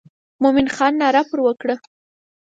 مومن خان ناره پر وکړه.